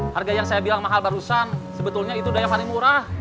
harga yang saya bilang mahal barusan sebetulnya itu daya paling murah